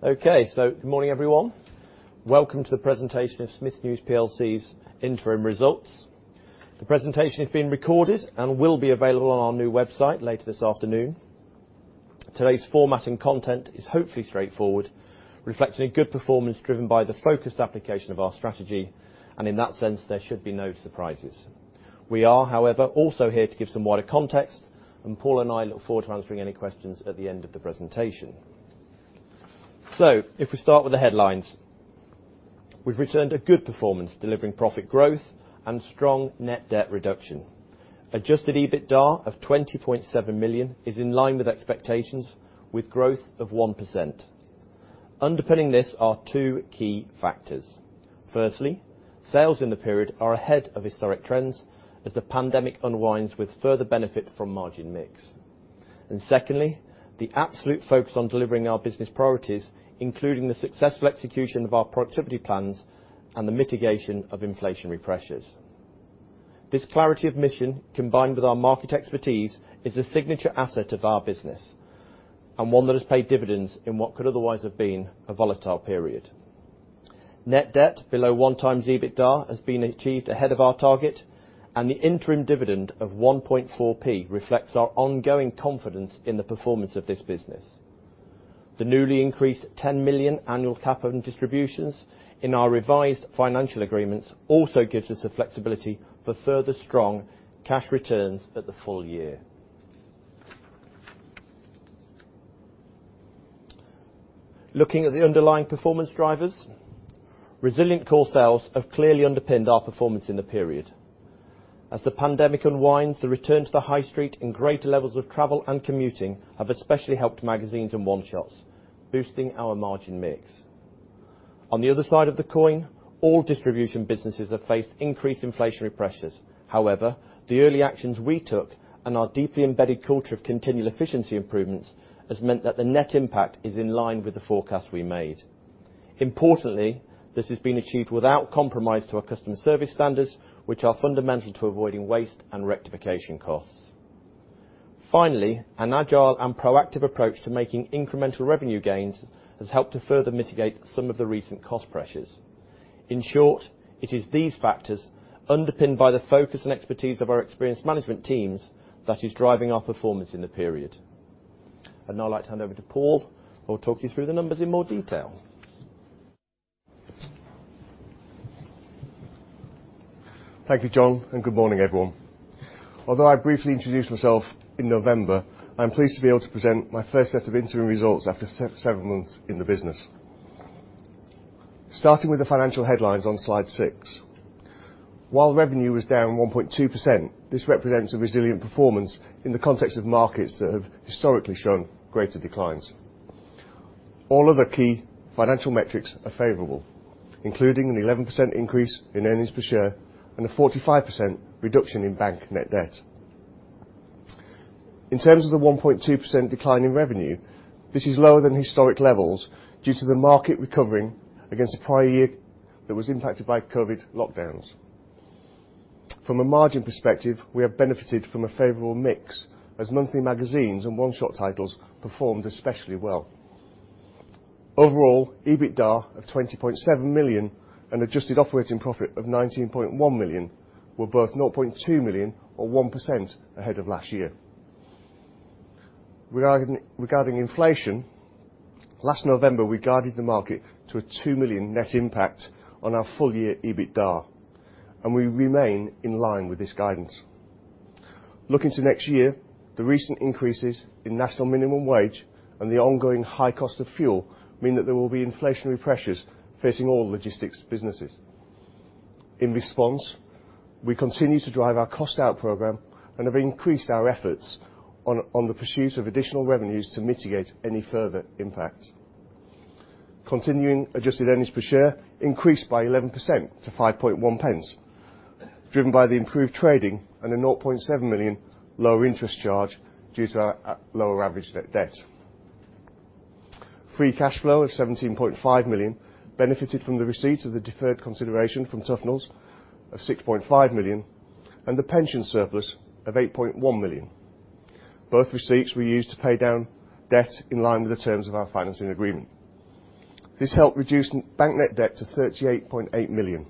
Okay. Good morning, everyone. Welcome to the presentation of Smiths News PLC's interim results. The presentation is being recorded and will be available on our new website later this afternoon. Today's format and content is hopefully straightforward, reflecting a good performance driven by the focused application of our strategy, and in that sense, there should be no surprises. We are, however, also here to give some wider context, and Paul and I look forward to answering any questions at the end of the presentation. If we start with the headlines, we've returned a good performance, delivering profit growth and strong net debt reduction. Adjusted EBITDA of 20.7 million is in line with expectations with growth of 1%. Underpinning this are two key factors. Firstly, sales in the period are ahead of historic trends as the pandemic unwinds with further benefit from margin mix. Secondly, the absolute focus on delivering our business priorities, including the successful execution of our productivity plans and the mitigation of inflationary pressures. This clarity of mission, combined with our market expertise, is a signature asset of our business, and one that has paid dividends in what could otherwise have been a volatile period. Net debt below 1x EBITDA has been achieved ahead of our target, and the interim dividend of 1.4p reflects our ongoing confidence in the performance of this business. The newly increased 10 million annual capital distributions in our revised financial agreements also gives us the flexibility for further strong cash returns at the full year. Looking at the underlying performance drivers, resilient core sales have clearly underpinned our performance in the period. As the pandemic unwinds, the return to the high street and greater levels of travel and commuting have especially helped magazines and one-shots, boosting our margin mix. On the other side of the coin, all distribution businesses have faced increased inflationary pressures. However, the early actions we took and our deeply embedded culture of continual efficiency improvements has meant that the net impact is in line with the forecast we made. Importantly, this has been achieved without compromise to our customer service standards, which are fundamental to avoiding waste and rectification costs. Finally, an agile and proactive approach to making incremental revenue gains has helped to further mitigate some of the recent cost pressures. In short, it is these factors underpinned by the focus and expertise of our experienced management teams that is driving our performance in the period. I'd now like to hand over to Paul, who will talk you through the numbers in more detail. Thank you, John, and good morning, everyone. Although I briefly introduced myself in November, I'm pleased to be able to present my first set of interim results after several months in the business. Starting with the financial headlines on slide six. While revenue was down 1.2%, this represents a resilient performance in the context of markets that have historically shown greater declines. All of the key financial metrics are favorable, including an 11% increase in earnings per share and a 45% reduction in bank net debt. In terms of the 1.2% decline in revenue, this is lower than historic levels due to the market recovering against the prior year that was impacted by COVID lockdowns. From a margin perspective, we have benefited from a favorable mix as monthly magazines and one-shot titles performed especially well. Overall, EBITDA of 20.7 million and adjusted operating profit of 19.1 million were both 0.2 million or 1% ahead of last year. Regarding inflation, last November, we guided the market to a 2 million net impact on our full year EBITDA, and we remain in line with this guidance. Looking to next year, the recent increases in National Minimum Wage and the ongoing high cost of fuel mean that there will be inflationary pressures facing all logistics businesses. In response, we continue to drive our cost out program and have increased our efforts on the pursuit of additional revenues to mitigate any further impact. Continuing adjusted earnings per share increased by 11% to 5.1 pence, driven by the improved trading and a 0.7 million lower interest charge due to our lower average debt. Free cash flow of 17.5 million benefited from the receipt of the deferred consideration from Tuffnells of 6.5 million and the pension surplus of 8.1 million. Both receipts we used to pay down debt in line with the terms of our financing agreement. This helped reduce net debt to 38.8 million,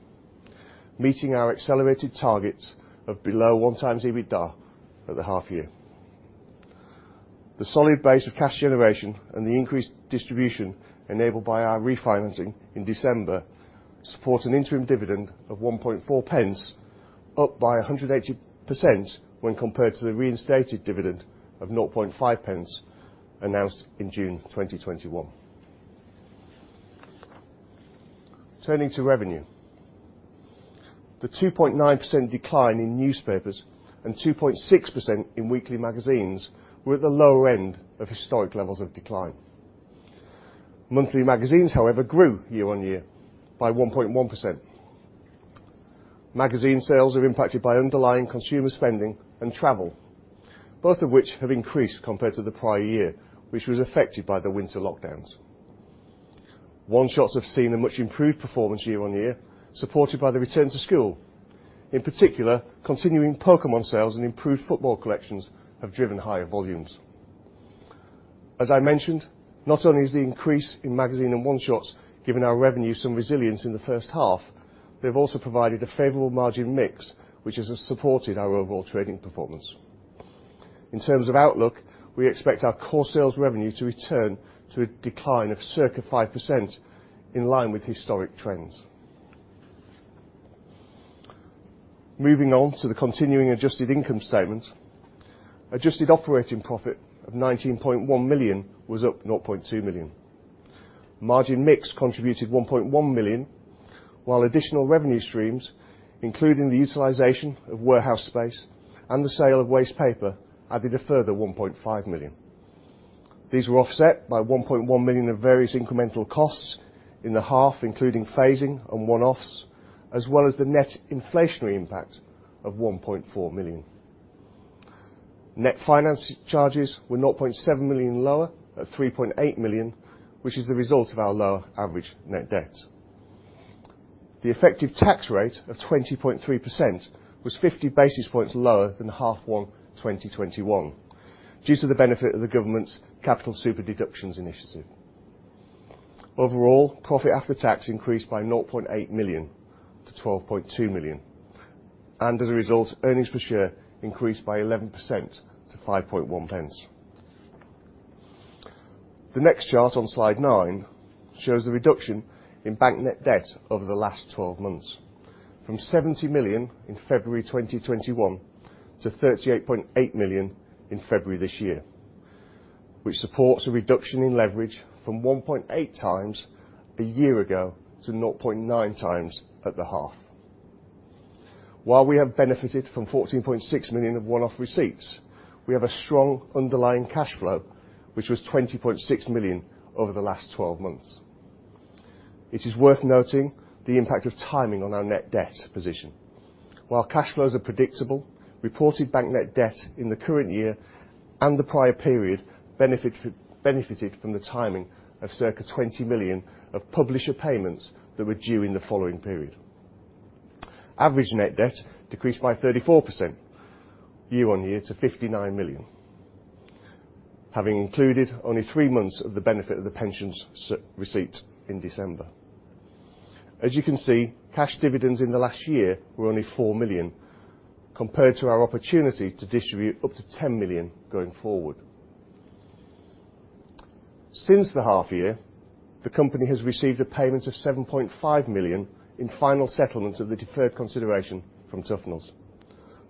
meeting our accelerated targets of below 1x EBITDA at the half year. The solid base of cash generation and the increased distribution enabled by our refinancing in December supports an interim dividend of 0.014, up by 180% when compared to the reinstated dividend of 0.005 announced in June 2021. Turning to revenue. The 2.9% decline in newspapers and 2.6% in weekly magazines were at the lower end of historic levels of decline. Monthly magazines, however, grew year-on-year by 1.1%. Magazine sales are impacted by underlying consumer spending and travel, both of which have increased compared to the prior year, which was affected by the winter lockdowns. One-shots have seen a much improved performance year-on-year, supported by the return to school. In particular, continuing Pokémon sales and improved football collections have driven higher volumes. As I mentioned, not only has the increase in magazine and one-shots given our revenue some resilience in the first half, they've also provided a favorable margin mix, which has supported our overall trading performance. In terms of outlook, we expect our core sales revenue to return to a decline of circa 5%, in line with historic trends. Moving on to the continuing adjusted income statement. Adjusted operating profit of 19.1 million was up 0.2 million. Margin mix contributed 1.1 million, while additional revenue streams, including the utilization of warehouse space and the sale of waste paper, added a further 1.5 million. These were offset by 1.1 million of various incremental costs in the half, including phasing and one-offs, as well as the net inflationary impact of 1.4 million. Net finance charges were 0.7 million lower at 3.8 million, which is the result of our lower average net debt. The effective tax rate of 20.3% was 50 basis points lower than H1 2021 due to the benefit of the government's super-deduction capital allowance initiative. Overall, profit after tax increased by 0.8 million to 12.2 million, and as a result, earnings per share increased by 11% to 5.1 pence. The next chart on slide nine shows the reduction in bank net debt over the last 12 months from 70 million in February 2021 to 38.8 million in February this year, which supports a reduction in leverage from 1.8 times a year ago to 0.9 times at the half. While we have benefited from 14.6 million of one-off receipts, we have a strong underlying cash flow, which was 20.6 million over the last 12 months. It is worth noting the impact of timing on our net debt position. While cash flows are predictable, reported bank net debt in the current year and the prior period benefited from the timing of circa 20 million of publisher payments that were due in the following period. Average net debt decreased by 34% year-on-year to 59 million. Having included only three months of the benefit of the pensions receipt in December. As you can see, cash dividends in the last year were only 4 million, compared to our opportunity to distribute up to 10 million going forward. Since the half year, the company has received a payment of 7.5 million in final settlement of the deferred consideration from Tuffnells.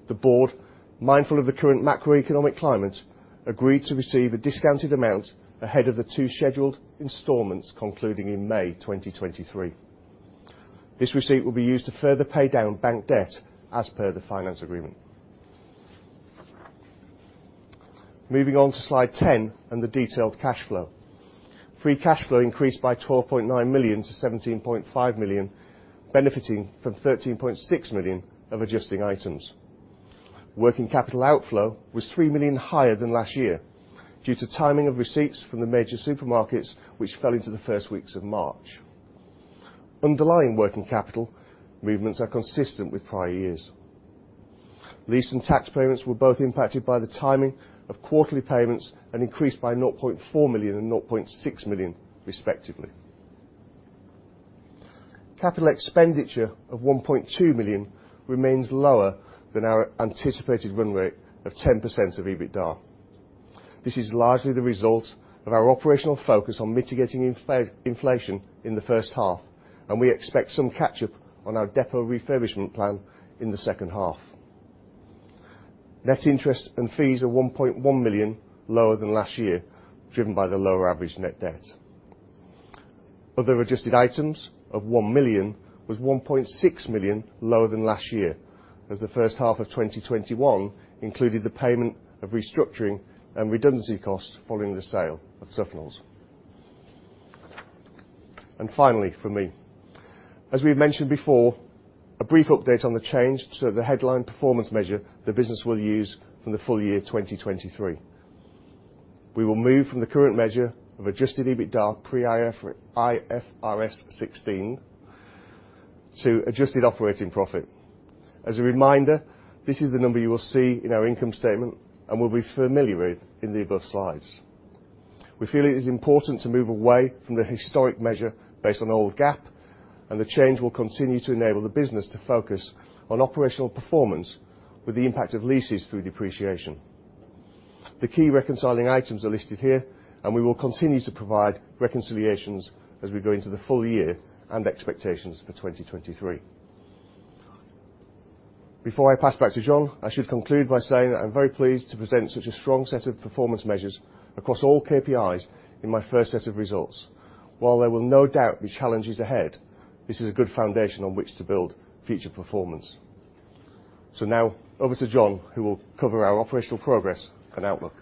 The board, mindful of the current macroeconomic climate, agreed to receive a discounted amount ahead of the two scheduled installments concluding in May 2023. This receipt will be used to further pay down bank debt as per the finance agreement. Moving on to slide 10 and the detailed cash flow. Free cash flow increased by 12.9 million to 17.5 million, benefiting from 13.6 million of adjusting items. Working capital outflow was 3 million higher than last year due to timing of receipts from the major supermarkets, which fell into the first weeks of March. Underlying working capital movements are consistent with prior years. Lease and tax payments were both impacted by the timing of quarterly payments and increased by 0.4 million and 0.6 million respectively. Capital expenditure of 1.2 million remains lower than our anticipated run rate of 10% of EBITDA. This is largely the result of our operational focus on mitigating inflation in the first half, and we expect some catch up on our depot refurbishment plan in the second half. Net interest and fees are 1.1 million, lower than last year, driven by the lower average net debt. Other adjusted items of 1 million was 1.6 million lower than last year, as the first half of 2021 included the payment of restructuring and redundancy costs following the sale of Tuffnells. Finally from me, as we've mentioned before, a brief update on the change to the headline performance measure the business will use from the full year 2023. We will move from the current measure of adjusted EBITDA pre-IFRS 16 to adjusted operating profit. As a reminder, this is the number you will see in our income statement and will be familiar with in the above slides. We feel it is important to move away from the historic measure based on old GAAP, and the change will continue to enable the business to focus on operational performance with the impact of leases through depreciation. The key reconciling items are listed here, and we will continue to provide reconciliations as we go into the full year and expectations for 2023. Before I pass back to John, I should conclude by saying that I'm very pleased to present such a strong set of performance measures across all KPIs in my first set of results. While there will no doubt be challenges ahead, this is a good foundation on which to build future performance. Now over to John, who will cover our operational progress and outlook.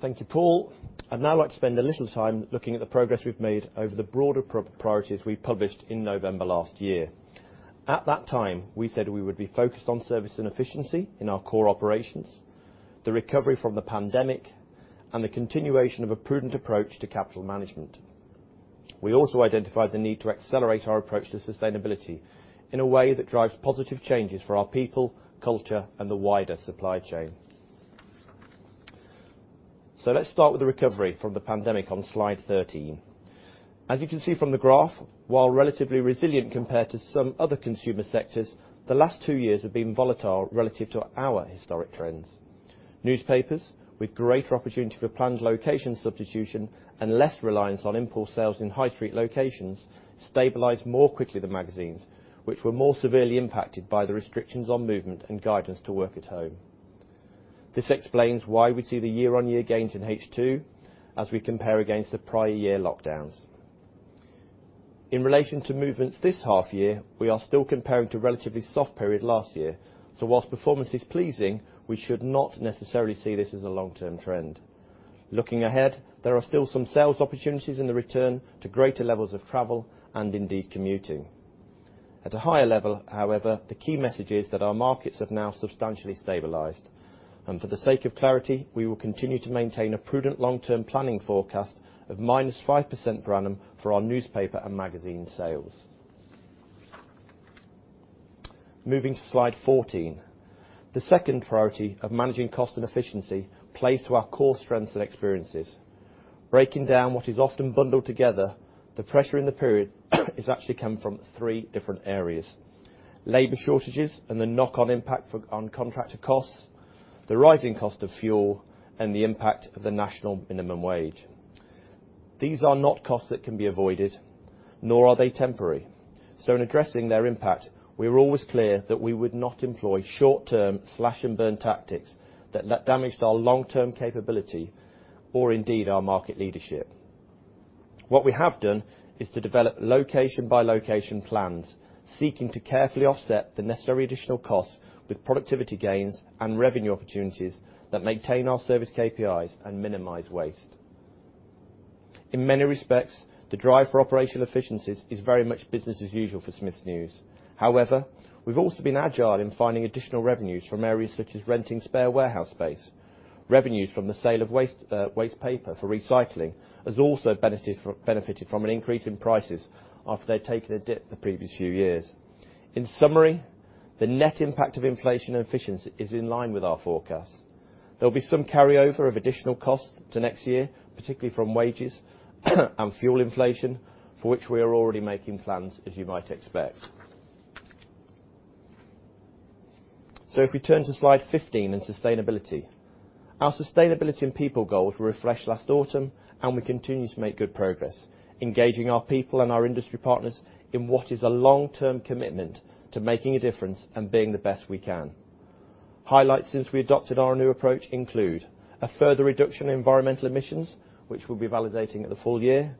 Thank you, Paul. I'd now like to spend a little time looking at the progress we've made over the broader priorities we published in November last year. At that time, we said we would be focused on service and efficiency in our core operations, the recovery from the pandemic, and the continuation of a prudent approach to capital management. We also identified the need to accelerate our approach to sustainability in a way that drives positive changes for our people, culture, and the wider supply chain. Let's start with the recovery from the pandemic on Slide 13. As you can see from the graph, while relatively resilient compared to some other consumer sectors, the last two years have been volatile relative to our historic trends. Newspapers, with greater opportunity for planned location substitution and less reliance on in-store sales in high street locations, stabilized more quickly than magazines, which were more severely impacted by the restrictions on movement and guidance to work at home. This explains why we see the year-on-year gains in H2 as we compare against the prior year lockdowns. In relation to movements this half year, we are still comparing to relatively soft period last year. While performance is pleasing, we should not necessarily see this as a long-term trend. Looking ahead, there are still some sales opportunities in the return to greater levels of travel and indeed commuting. At a higher level, however, the key message is that our markets have now substantially stabilized. For the sake of clarity, we will continue to maintain a prudent long-term planning forecast of -5% per annum for our newspaper and magazine sales. Moving to Slide 14. The second priority of managing cost and efficiency plays to our core strengths and experiences. Breaking down what is often bundled together, the pressure in the period is actually coming from three different areas, labor shortages and the knock-on impact on contractor costs, the rising cost of fuel, and the impact of the National Minimum Wage. These are not costs that can be avoided, nor are they temporary. In addressing their impact, we were always clear that we would not employ short-term slash and burn tactics that damaged our long-term capability or indeed our market leadership. What we have done is to develop location-by-location plans, seeking to carefully offset the necessary additional costs with productivity gains and revenue opportunities that maintain our service KPIs and minimize waste. In many respects, the drive for operational efficiencies is very much business as usual for Smiths News. However, we've also been agile in finding additional revenues from areas such as renting spare warehouse space. Revenues from the sale of waste paper for recycling has also benefited from an increase in prices after they'd taken a dip the previous few years. In summary, the net impact of inflation and efficiency is in line with our forecasts. There'll be some carryover of additional costs to next year, particularly from wages and fuel inflation, for which we are already making plans as you might expect. If we turn to Slide 15 in sustainability. Our sustainability and people goals were refreshed last autumn, and we continue to make good progress, engaging our people and our industry partners in what is a long-term commitment to making a difference and being the best we can. Highlights since we adopted our new approach include a further reduction in environmental emissions, which we'll be validating at the full year.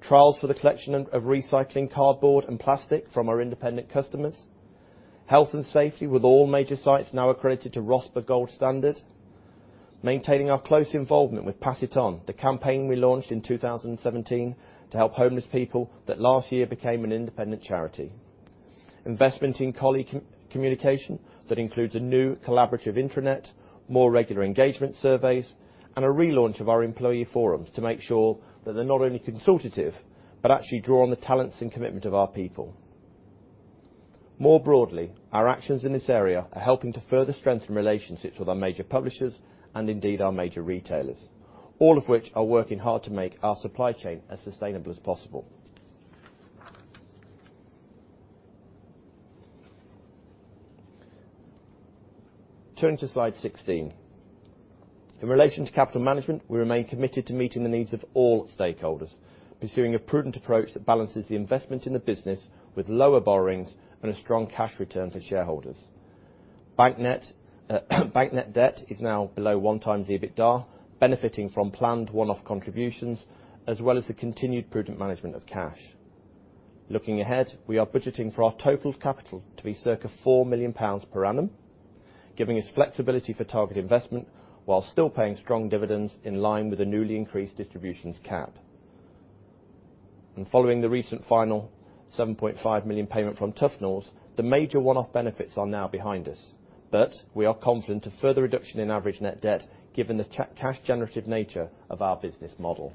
Trials for the collection of recycling cardboard and plastic from our independent customers. Health and safety with all major sites now accredited to RoSPA Gold Award. Maintaining our close involvement with Pass It On, the campaign we launched in 2017 to help homeless people that last year became an independent charity. Investment in colleague communication that includes a new collaborative intranet, more regular engagement surveys, and a relaunch of our employee forums to make sure that they're not only consultative, but actually draw on the talents and commitment of our people. More broadly, our actions in this area are helping to further strengthen relationships with our major publishers and indeed our major retailers, all of which are working hard to make our supply chain as sustainable as possible. Turning to Slide 16. In relation to capital management, we remain committed to meeting the needs of all stakeholders, pursuing a prudent approach that balances the investment in the business with lower borrowings and a strong cash return to shareholders. Bank net debt is now below 1x EBITDA, benefiting from planned one-off contributions, as well as the continued prudent management of cash. Looking ahead, we are budgeting for our total capital to be circa 4 million pounds per annum, giving us flexibility for target investment while still paying strong dividends in line with the newly increased distributions cap. Following the recent final 7.5 million payment from Tuffnells, the major one-off benefits are now behind us. We are confident a further reduction in average net debt, given the cash generative nature of our business model.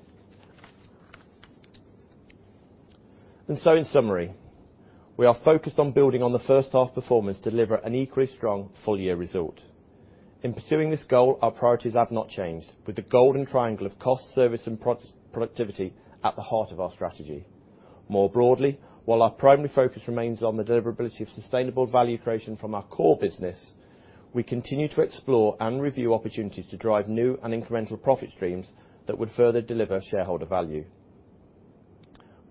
In summary, we are focused on building on the first half performance to deliver an equally strong full-year result. In pursuing this goal, our priorities have not changed, with the golden triangle of cost, service, and productivity at the heart of our strategy. More broadly, while our primary focus remains on the deliverability of sustainable value creation from our core business, we continue to explore and review opportunities to drive new and incremental profit streams that would further deliver shareholder value.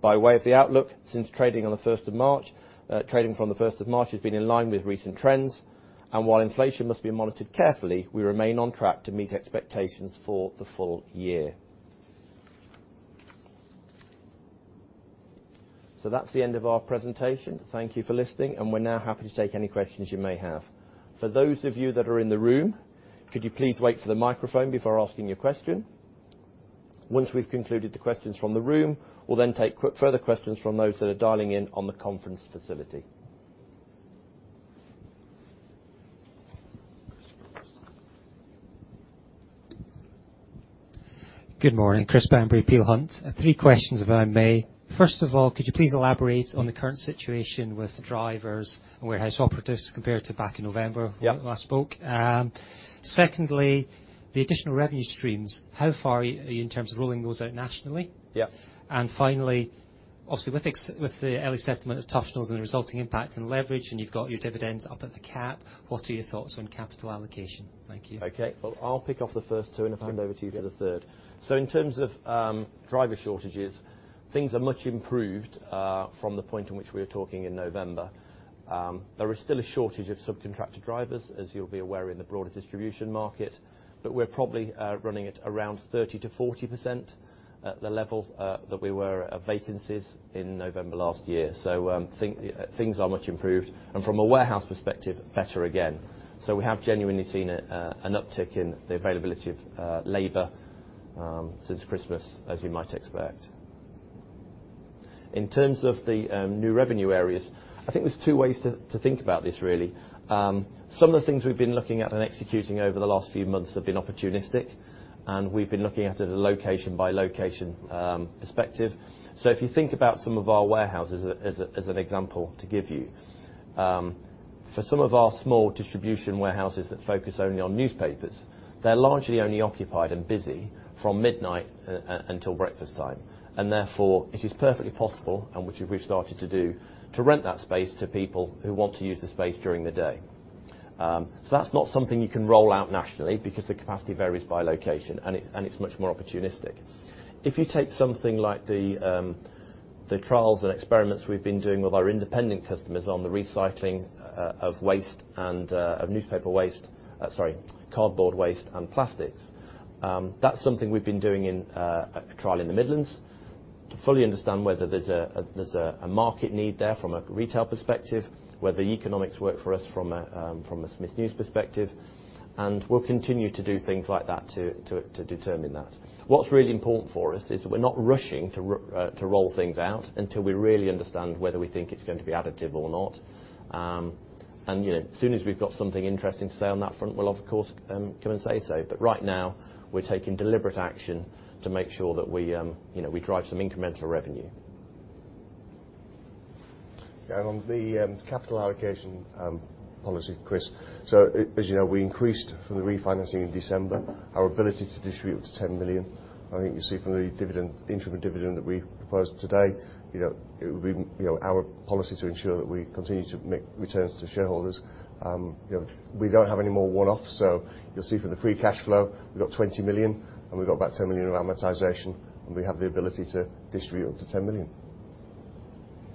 By way of the outlook, since trading on the first of March, trading from the first of March has been in line with recent trends. While inflation must be monitored carefully, we remain on track to meet expectations for the full year. That's the end of our presentation. Thank you for listening, and we're now happy to take any questions you may have. For those of you that are in the room, could you please wait for the microphone before asking your question? Once we've concluded the questions from the room, we'll then take further questions from those that are dialing in on the conference facility. Good morning, Christopher Bamberry, Peel Hunt. Three questions, if I may. First of all, could you please elaborate on the current situation with drivers and warehouse operatives compared to back in November. Yep When we last spoke? Secondly, the additional revenue streams, how far are you in terms of rolling those out nationally? Yeah. Finally, obviously with the early settlement of Tuffnells' and the resulting impact on leverage, and you've got your dividends up at the cap, what are your thoughts on capital allocation? Thank you. Okay. Well, I'll pick up the first two. Fine ...I'll hand over to you for the third. In terms of driver shortages, things are much improved from the point in which we were talking in November. There is still a shortage of subcontractor drivers, as you'll be aware, in the broader distribution market, but we're probably running at around 30%-40%, at the level that we were of vacancies in November last year. Things are much improved. From a warehouse perspective, better again. We have genuinely seen an uptick in the availability of labor since Christmas, as you might expect. In terms of the new revenue areas, I think there's two ways to think about this, really. Some of the things we've been looking at and executing over the last few months have been opportunistic, and we've been looking at it at a location-by-location perspective. If you think about some of our warehouses as an example to give you. For some of our small distribution warehouses that focus only on newspapers, they're largely only occupied and busy from midnight until breakfast time, and therefore, it is perfectly possible, and which we've started to do, to rent that space to people who want to use the space during the day. That's not something you can roll out nationally because the capacity varies by location, and it's much more opportunistic. If you take something like the trials and experiments we've been doing with our independent customers on the recycling of waste and cardboard waste and plastics, that's something we've been doing in a trial in the Midlands to fully understand whether there's a market need there from a retail perspective, whether the economics work for us from a Smiths News perspective. We'll continue to do things like that to determine that. What's really important for us is that we're not rushing to roll things out until we really understand whether we think it's going to be additive or not. You know, as soon as we've got something interesting to say on that front, we'll of course come and say so. Right now, we're taking deliberate action to make sure that we, you know, we drive some incremental revenue. On the capital allocation policy, Chris. As you know, we increased from the refinancing in December our ability to distribute up to 10 million. I think you see from the dividend, the interim dividend that we proposed today, you know, it would be, you know, our policy to ensure that we continue to make returns to shareholders. You know, we don't have any more one-offs, so you'll see from the free cash flow, we've got 20 million, and we've got about 10 million of amortization, and we have the ability to distribute up to 10 million.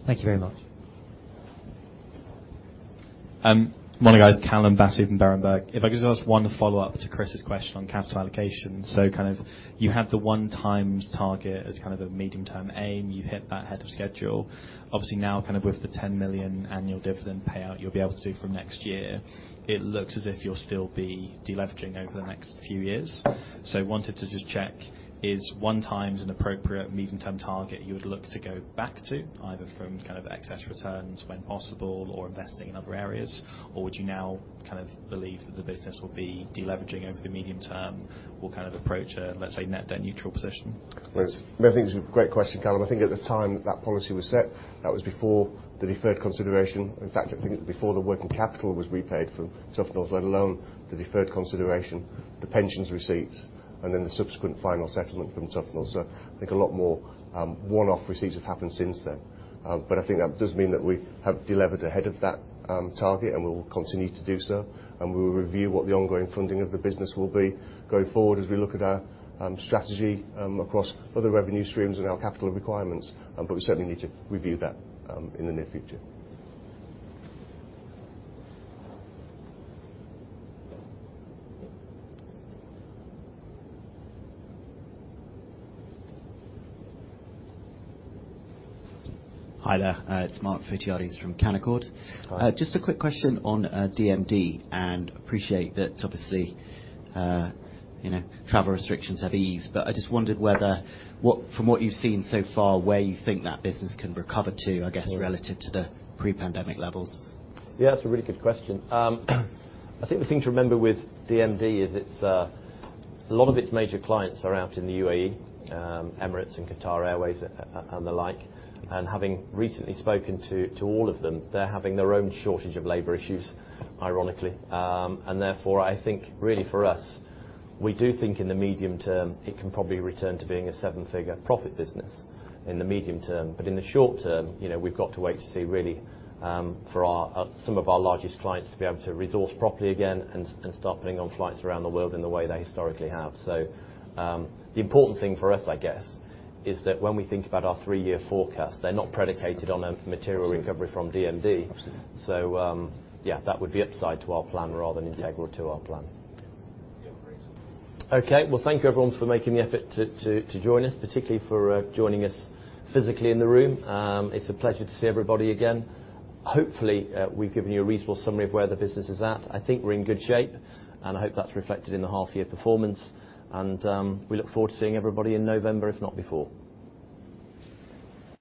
Thank you very much. Morning, guys. Callum Abbiss from Berenberg. If I could just ask one follow-up to Chris's question on capital allocation. Kind of you had the 1x target as kind of a medium-term aim. You've hit that ahead of schedule. Obviously now, kind of with the 10 million annual dividend payout you'll be able to do from next year, it looks as if you'll still be deleveraging over the next few years. Wanted to just check, is 1x an appropriate medium-term target you would look to go back to, either from kind of excess returns when possible or investing in other areas? Or do you now kind of believe that the business will be deleveraging over the medium term or kind of approach a, let's say, net debt neutral position? Callum- No, I think it's a great question, Callum. I think at the time that policy was set, that was before the deferred consideration. In fact, I think it was before the working capital was repaid from Tuffnells', let alone the deferred consideration, the pensions receipts, and then the subsequent final settlement from Tuffnells'. I think a lot more one-off receipts have happened since then. I think that does mean that we have delevered ahead of that target, and we will continue to do so. We will review what the ongoing funding of the business will be going forward as we look at our strategy across other revenue streams and our capital requirements. We certainly need to review that in the near future. Hi there. It's Mark Jones from Canaccord. Hi. Just a quick question on DMD. I appreciate that, obviously, you know, travel restrictions have eased, but I just wondered whether, from what you've seen so far, where you think that business can recover to, I guess? Sure Relative to the pre-pandemic levels. Yeah, that's a really good question. I think the thing to remember with DMD is it's a lot of its major clients are out in the UAE, Emirates and Qatar Airways and the like. Having recently spoken to all of them, they're having their own shortage of labor issues, ironically. Therefore, I think really for us, we do think in the medium term, it can probably return to being a seven-figure profit business in the medium term. But in the short term, you know, we've got to wait to see really for our some of our largest clients to be able to resource properly again and start putting on flights around the world in the way they historically have. The important thing for us, I guess, is that when we think about our three-year forecast, they're not predicated on a material recovery from DMD. Absolutely. Yeah, that would be upside to our plan rather than integral to our plan. Yeah. Great. Okay. Well, thank you everyone for making the effort to join us, particularly for joining us physically in the room. It's a pleasure to see everybody again. Hopefully, we've given you a reasonable summary of where the business is at. I think we're in good shape, and I hope that's reflected in the half year performance. We look forward to seeing everybody in November, if not before.